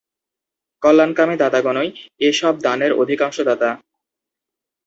কল্যাণকামী দাতাগণই এ সব দানের অধিকাংশ দাতা।